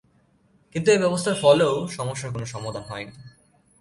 কিন্তু এ ব্যবস্থার ফলেও সমস্যার কোনো সমাধান হয়নি।